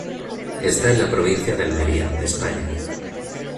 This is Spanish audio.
Está en la provincia de Almería, España.